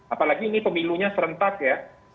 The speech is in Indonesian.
apalagi ini pemilunya serentak ya